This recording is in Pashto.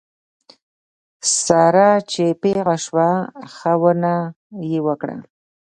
ساره چې پېغله شوه ښه ونه یې وکړه.